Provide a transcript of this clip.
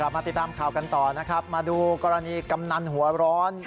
มาติดตามข่าวกันต่อนะครับมาดูกรณีกำนันหัวร้อน